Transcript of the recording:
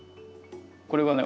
これはね